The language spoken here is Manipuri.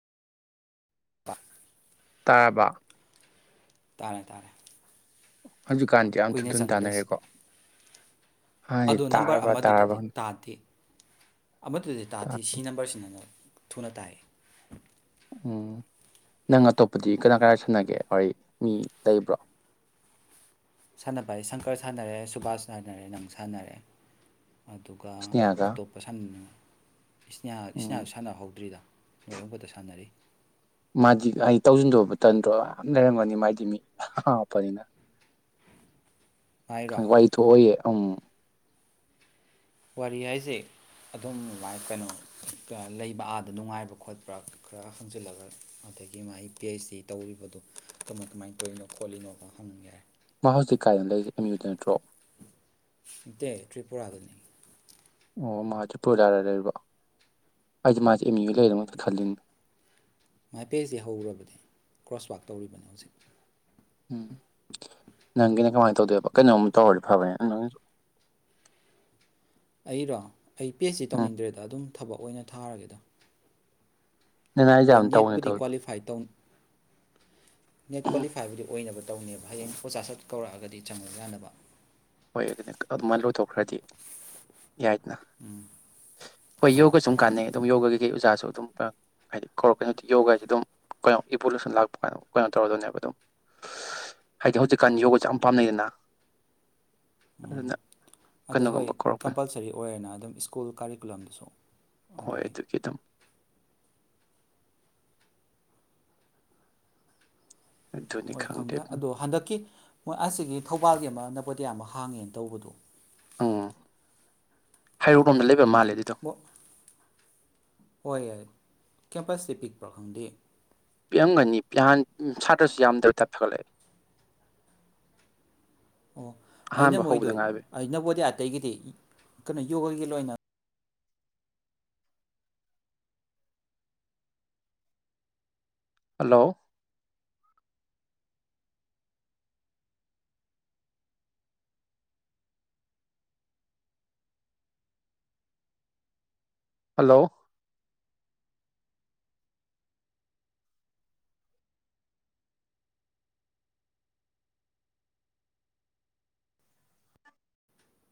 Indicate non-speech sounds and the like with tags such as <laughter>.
<unintelligible> ꯇꯥꯕ ꯇꯥꯔꯦ ꯇꯥꯔꯦ ꯍꯧꯖꯤꯛꯀꯥꯟꯗꯤ ꯌꯥꯝ ꯊꯨꯝ ꯀꯨꯏꯅ ꯊꯅ ꯆꯪꯗ꯭ꯔꯦ ꯇꯥꯅꯔꯦꯀꯣ ꯁꯤꯗꯤ ꯍꯥꯟꯅꯗꯤ ꯑꯗꯣ ꯅꯝꯕꯔ ꯇꯥꯔꯕ ꯇꯥꯔꯕ ꯑꯃꯗꯨꯗꯗꯤ ꯇꯥꯗꯦ ꯑꯃꯗꯨꯗꯤ ꯇꯥꯗꯦ ꯁꯤ ꯇꯥꯗꯤ ꯅꯝꯕꯔꯁꯤꯅꯅ ꯊꯨꯅ ꯇꯥꯏ ꯎꯝ ꯅꯪ ꯑꯇꯣꯞꯄꯗꯤ ꯀꯔꯥꯏ ꯀꯥꯏ ꯁꯥꯟꯅꯒꯦ ꯍꯣꯏ ꯃꯤ ꯂꯩꯕ꯭ꯔꯣ ꯁꯥꯟꯅꯕ ꯍꯥꯏ ꯁꯪꯀꯔ ꯁꯥꯟꯅꯔꯦ ꯁꯨꯕꯥꯁ ꯁꯥꯟꯅꯔꯦ ꯅꯪ ꯁꯥꯟꯅꯔꯦ ꯑꯗꯨꯒ ꯏꯁꯅꯦꯍꯥꯒ ꯑꯇꯣꯞꯄ ꯁꯌꯥ ꯎꯝ ꯏꯁꯅꯤꯌꯥꯁꯨ ꯁꯥꯟꯅꯍꯧꯗ꯭ꯔꯤꯗ ꯃꯣꯏ ꯑꯕꯗ ꯁꯥꯟꯅꯔꯤ ꯃꯥꯗꯤ ꯍꯥꯏꯗꯤ ꯇꯧꯁꯤꯟꯗꯕ ꯇꯟꯗ꯭ꯔꯣ ꯌꯥꯝ ꯂꯩꯔꯝꯒꯅꯤ ꯃꯥꯗꯤ ꯃꯤ ꯍꯥꯄꯅꯤꯅ ꯃꯥꯏꯔꯣ ꯋꯥꯏ ꯊꯣꯛꯍꯌꯦ ꯎꯝ ꯋꯥꯔꯤ ꯍꯥꯏꯖꯩ ꯑꯗꯨꯝꯥꯏ ꯀꯩꯅꯣ ꯂꯩꯕ ꯑꯥꯗ ꯅꯨꯡꯉꯥꯏꯕ꯭ꯔ ꯈꯣꯠꯄ꯭ꯔ ꯈꯔ ꯍꯪꯖꯤꯜꯂꯒ ꯑꯗꯒꯤ ꯃꯥꯒꯤ ꯄꯤ ꯑꯩꯆ ꯗꯤ ꯇꯧꯔꯤꯕꯗꯨꯣ ꯀꯃꯥꯏꯅ ꯀꯃꯥꯏꯅ ꯇꯧꯔꯤꯅꯣ ꯈꯣꯠꯂꯤꯅꯣꯒ ꯍꯪꯒꯦꯔꯦ ꯃꯥ ꯍꯧꯖꯤꯛ ꯀꯥꯏꯗꯅ ꯂꯩꯔꯤ ꯑꯦꯝꯌꯨꯗꯨ ꯅꯠꯇ꯭ꯔꯣ ꯅꯠꯇꯦ ꯇ꯭ꯔꯤꯄꯨꯔꯥꯗꯅꯤ ꯑꯣ ꯃꯥ ꯇ꯭ꯔꯤꯄꯨꯔ ꯥꯔꯗ ꯂꯩꯔꯕ ꯑꯩꯗꯤꯦ ꯃꯥꯁꯦ ꯑꯦꯝ ꯌ ꯌꯨ ꯂꯩꯗꯃꯛꯇ ꯈꯜꯂꯤꯕ ꯃꯥꯏ ꯄꯦꯖꯇꯦ ꯍꯧꯔꯔꯕꯗꯤ ꯀ꯭ꯔꯣꯁꯋꯥꯛ ꯇꯧꯔꯤꯕꯅꯤ ꯍꯧꯖꯤꯛ ꯎꯝ ꯅꯪꯒꯤꯅ ꯀꯃꯥꯏꯅ ꯇꯧꯗꯣꯏꯦꯕ ꯀꯩꯅꯣꯝ ꯇꯧꯔꯗꯤ ꯐꯕꯅꯤꯅꯦ ꯅꯪ ꯑꯩꯔꯣ ꯑꯩ ꯄꯦꯖꯁꯤ ꯇꯧꯅꯤꯡꯗ꯭ꯔꯦꯗ ꯑꯗꯨꯝ ꯊꯕꯛ ꯑꯣꯏꯅ ꯊꯥꯔꯒꯦꯗ ꯅꯪꯅ ꯍꯣꯏ ꯑꯦꯛꯖꯥꯝ ꯇꯧꯕꯅ ꯅꯦꯠꯄꯨꯗꯤ ꯇꯧ ꯀ꯭ꯋꯥꯂꯤꯐꯥꯏ ꯇꯧꯅꯤ ꯅꯦꯠ ꯀ꯭ꯋꯥꯂꯤꯐꯥꯏꯕꯨꯗꯤ ꯑꯣꯏꯅꯕ ꯇꯧꯅꯦꯕ ꯍꯌꯦꯡ ꯄꯣꯆꯥ ꯁꯛ ꯀꯧꯔꯛꯑꯒꯗꯤ ꯆꯪꯉꯨ ꯌꯥꯅꯕ ꯍꯣꯏ ꯑꯗꯨꯅꯤ ꯑꯗꯨꯃ ꯂꯣꯏꯊꯣꯛꯈ꯭ꯔꯗꯤ ꯌꯥꯏꯗꯅ ꯎꯝ ꯍꯣꯏ ꯌꯣꯒꯁꯨꯝ ꯀꯥꯟꯅꯩ ꯑꯗꯨꯝ ꯌꯣꯒꯒꯤ ꯀꯩ ꯑꯣꯖꯥꯁꯨ ꯑꯗꯨꯝ ꯍꯥꯏꯗꯤ ꯀꯧꯔꯛꯀꯩꯅꯣꯗꯤ ꯌꯣꯒꯥꯁꯤꯦ ꯑꯗꯨꯝ ꯀꯩꯅꯣ ꯏꯕꯣꯂꯨꯁꯟ ꯂꯥꯛꯄ ꯀꯥꯟꯗ ꯀꯩꯅꯣ ꯇꯧꯔꯗꯣꯏꯅꯦꯕ ꯑꯗꯨꯝ ꯍꯥꯏꯗꯤ ꯍꯧꯖꯤꯛꯀꯥꯟ ꯎꯝ ꯌꯣꯒꯁꯦ ꯌꯥꯝ ꯄꯥꯝꯅꯩꯗꯅ ꯎꯝ ꯑꯗꯨꯅ ꯑꯗꯩ ꯍꯣꯏ ꯀꯩꯅꯣꯒꯨꯝꯕ ꯀꯧꯔꯛꯄ ꯀꯝꯄꯜꯁꯔꯤ ꯑꯣꯏꯔꯦꯅ ꯑꯗꯨꯝ ꯁ꯭ꯀꯨꯜ ꯀꯥꯔꯤꯀꯨꯂꯝꯗꯨꯁꯨ ꯍꯣꯏ ꯑꯗꯨꯒꯤ ꯑꯗꯨꯒꯤꯈꯤ ꯑꯗꯨꯝ ꯃꯣꯏ ꯈꯪꯗꯦ ꯑꯗꯣ ꯍꯟꯗꯛꯀꯤ ꯃꯣꯏ ꯑꯁꯤꯒꯤ ꯊꯧꯕꯥꯜꯒꯤ ꯑꯃ ꯅꯄꯣꯇꯌꯥ ꯑꯃ ꯍꯥꯡꯉꯦꯅ ꯇꯧꯕꯗꯣ ꯎꯝ ꯑꯗꯣ ꯍꯩꯔꯣꯛꯂꯣꯝꯗ ꯂꯩꯕ ꯃꯥꯜꯂꯦ ꯑꯗꯨꯗꯣ ꯍꯣꯏ ꯌꯥꯏ ꯀꯦꯝꯄꯁꯁꯤ ꯄꯤꯛꯄ꯭ꯔꯥ ꯈꯪꯗꯦ ꯄꯤꯔꯝꯒꯅꯤ ꯄꯍꯥꯟ ꯁꯥꯇ꯭ꯔꯁꯨ ꯌꯥꯝꯗ꯭ꯔꯕꯗ ꯐꯒꯠꯂꯛꯑꯦ ꯑꯍꯥꯟꯕ ꯍꯧꯕꯗ ꯉꯥꯏꯕ ꯑꯩꯅꯕꯣꯗꯤ ꯑꯥꯇꯩꯒꯤꯗꯤ ꯀꯩꯅꯣ ꯌꯣꯒꯒꯤ ꯂꯣꯏꯅ ꯍꯜꯂꯣ ꯍꯜꯂꯣ